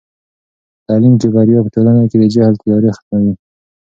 په تعلیم کې بریا په ټولنه کې د جهل تیارې ختموي.